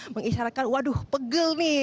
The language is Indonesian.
mengisyaratkan waduh pegel nih